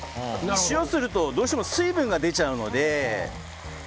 塩をするとどうしても水分が出ちゃうので。